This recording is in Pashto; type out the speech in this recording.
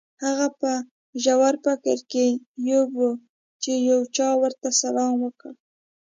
هغه په ژور فکر کې ډوب و چې یو چا ورته سلام وکړ